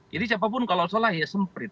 jadi siapapun kalau salah ya semprit